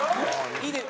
いいですか？